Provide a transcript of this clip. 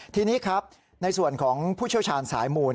ทีนี้ครับในส่วนของผู้เชี่ยวชาญสายหมู่